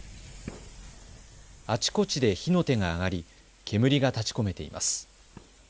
あちこちで火の手が上がり煙が立ちこめています。